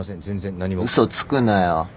全然何も。嘘つくなよ。